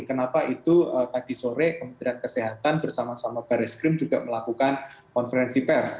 kenapa itu tadi sore kementerian kesehatan bersama sama baris krim juga melakukan konferensi pers